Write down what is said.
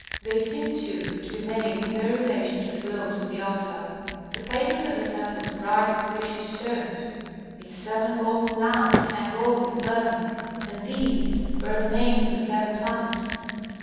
They seem, too, to be made in their relation to the globes on the altar. The pavement of the temple is bright with precious stones. Its seven golden lamps hang always burning, and these bear the names of the seven planets.